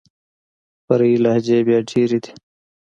فرعي لهجې بيا ډېري دي.